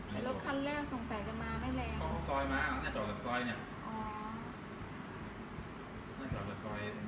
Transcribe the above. รถคันแรกสงสัยจะมาไม่แรงของซอยมาถ้าเจอกับซอยเนี่ย